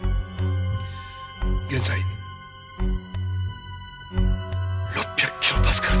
現在６００キロパスカルです。